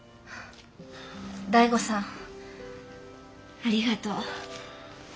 醍醐さんありがとう。